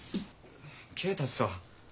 恵達さぁ。